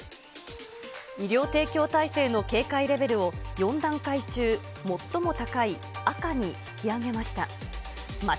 医療提供体制の警戒レベルを４段階中、最も高い赤に引き上げました。